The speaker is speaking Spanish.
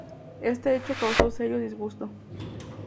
Este hecho causó serio disgusto.